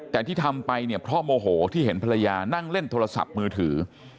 แต่ที่ทำไปเนี่ยเพราะโมโหที่เห็นภรรยานั่งเล่นโทรศัพท์มือถือ